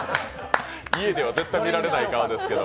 家では絶対に見られない顔ですけれども。